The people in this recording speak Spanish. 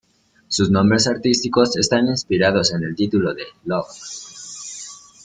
Sus nombres artísticos están inspirados en el título de "Love.